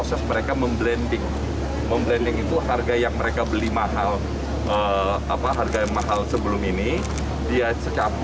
susah juga kebijakan maritel itu